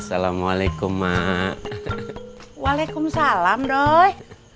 assalamualaikum ma waalaikumsalam doi